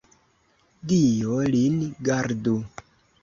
Dio lin gardu!